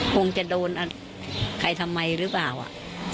คงจะโดนใครทำไมหรือเปล่าอ่ะ